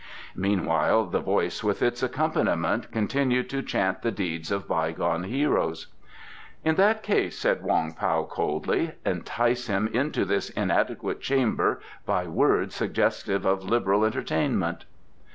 Meanwhile the voice with its accompaniment continued to chant the deeds of bygone heroes. "In that case," said Wong Pao coldly, "entice him into this inadequate chamber by words suggestive of liberal entertainment."